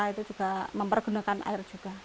itu juga mempergunakan air juga